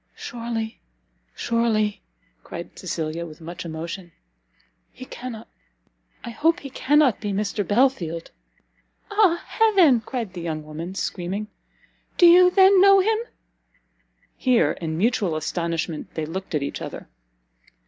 "Surely, surely," cried Cecilia, with much emotion, "he cannot I hope he cannot be Mr Belfield?" "Ah Heaven!" cried the young woman, screaming, "do you then know him?" Here, in mutual astonishment, they looked at each other.